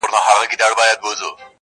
چي د مجنون په تلاښ ووزمه لیلا ووینم!!